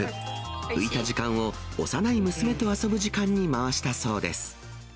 浮いた時間を幼い娘と遊ぶ時間に回したそうです。